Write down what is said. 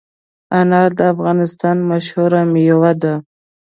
انار د افغانستان مشهور مېوه ده.